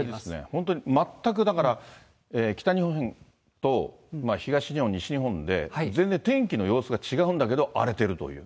本当に全くだから、北日本と東日本、西日本で全然天気の様子が違うんだけど荒れているという。